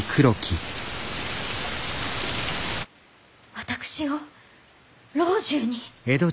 私を老中に。